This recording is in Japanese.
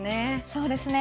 そうですね。